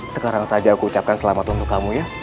sekarang saja aku ucapkan selamat untuk kamu ya